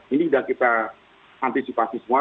ini sudah kita antisipasi semua